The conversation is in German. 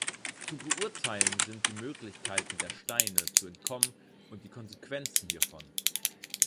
Zu beurteilen sind die Möglichkeiten der Steine, zu entkommen, und die Konsequenzen hiervon.